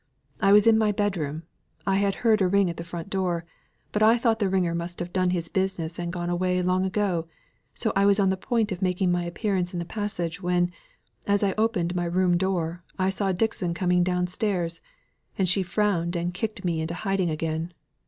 I was in my bedroom; I had heard a ring at the front door, but I thought the ringer must have done his business and gone away long ago; so I was on the point of making my appearance in the passage, when, as I opened my room door, I saw Dixon coming downstairs; and she frowned and kicked me into hiding again.